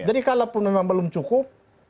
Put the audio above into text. jadi kalaupun memang belum cukup